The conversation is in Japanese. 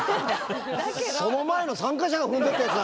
その前の参加者が踏んでったやつだからね。